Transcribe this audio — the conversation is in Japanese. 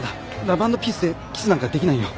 ラブ＆ピースでキスなんかできないよ。